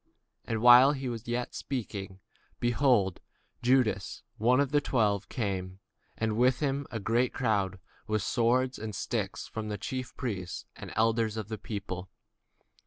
And while he yet spake, lo, Judas, one of the twelve, came, and with him a great multitude with swords and staves, from the chief priests and elders of the people.